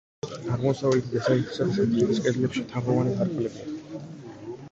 აღმოსავლეთის, დასავლეთისა და სამხრეთის კედლებში თაღოვანი სარკმლებია.